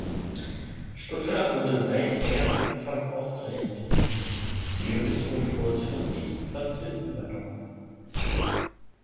Stuttgart wurde seither von Austrian bedient, Zürich wurde kurzfristig von Swiss übernommen.